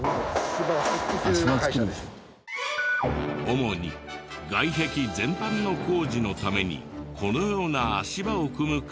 主に外壁全般の工事のためにこのような足場を組む会社。